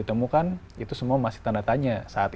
ditemukan itu semua masih tanda tanya saat